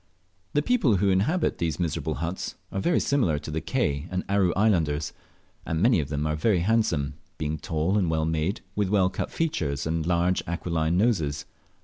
The people who inhabit these miserable huts are very similar to the Ke and Aru islanders, and many of them are very handsome, being tall and well made, with well cut features and large aquiline noses.